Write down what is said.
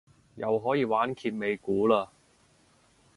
又可以玩揭尾故嘞